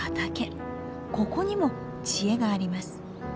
ここにも知恵があります。